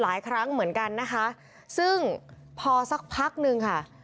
หลายครั้งเหมือนกันนะคะซึ่งพอสักพักนึงค่ะ